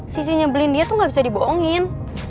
sisi nyebelin dia tuh gak bisa dibohongin